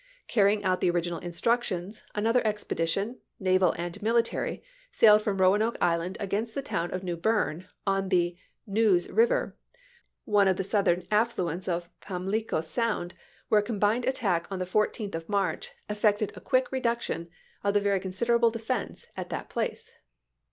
Carrying out the original instructions, another expedition, naval and military, sailed from Roanoke Island against the town of New Berne on the Neuse River, one of the southern affluents ^Kl^ort?' of Pamlico Sound, where a combined attack on ihfl2"^'\v. it. the 14th of March effected a quick reduction of rp/m iirt. the very considerable defenses at that place.